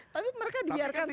tapi mereka dibiarkan saja